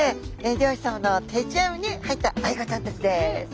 漁師さまの定置網に入ったアイゴちゃんたちです！